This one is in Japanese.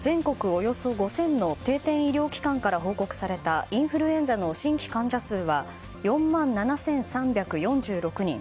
およそ５０００の定点医療機関から報告されたインフルエンザの新規患者数は、４万７３４６人。